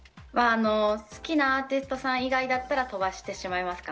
好きなアーティストさん以外は飛ばしてしまいます。